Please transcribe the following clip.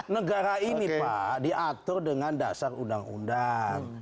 negara ini pak diatur dengan dasar undang undang